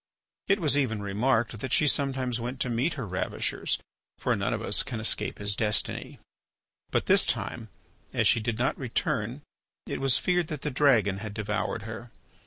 It was even remarked that she sometimes went to meet her ravishers, for none of us can escape his destiny. But this time, as she did not return, it was feared that the dragon had devoured her.